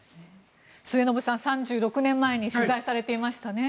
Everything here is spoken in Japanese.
末延さん、３６年前に取材されていましたね。